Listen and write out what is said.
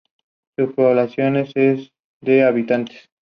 A su retorno a Bolivia, Montes siguió vinculado activamente a The Strongest.